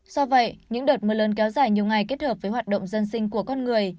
do vậy những đợt mưa lớn kéo dài nhiều ngày kết hợp với hoạt động dân sinh của con người